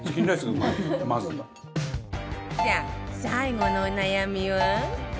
さあ最後のお悩みは